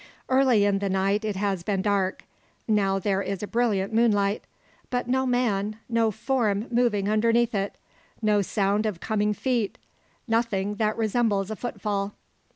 Early in the night it has been dark; now there is a brilliant moonlight. But no man, no form moving underneath it. No sound of coming feet; nothing that resembles a footfall.